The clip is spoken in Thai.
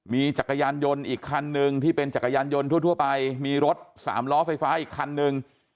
มีจักรยานยนต์อีกคันหนึ่งที่เป็นจักรยานยนต์ทั่วไปมีรถสามล้อไฟฟ้าอีกคันนึง